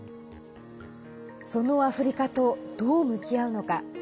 そのアフリカとどう向き合うのか。